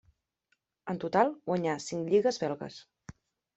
En total guanyà cinc lligues belgues.